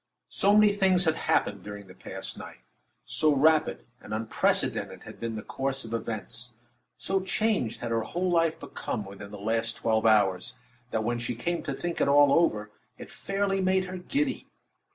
So many things had happened during the past night; so rapid and unprecedented had been the course of events; so changed had her whole life become within the last twelve hours, that when she came to think it all over, it fairly made her giddy.